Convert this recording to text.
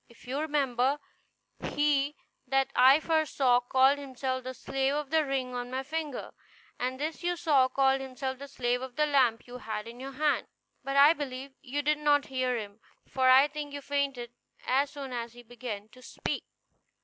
If you remember, he that I first saw called himself the slave of the ring on my finger; and this you saw called himself the slave of the lamp you had in your hand; but I believe you did not hear him, for I think you fainted as soon as he began to speak."